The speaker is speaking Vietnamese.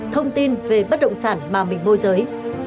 thông tin về bất động sản mà mình môi giới